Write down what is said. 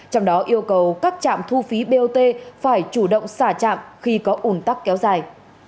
trong đó yêu cầu các trạm thu phí bot phải chủ động xả trạm khi có ủn tắc kéo dài